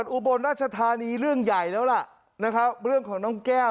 อุบลราชธานีเรื่องใหญ่แล้วล่ะนะครับเรื่องของน้องแก้ว